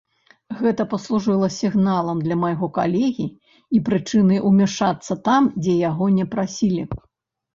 Гэта паслужыла сігналам для майго калегі і прычынай умяшацца там, дзе яго не прасілі.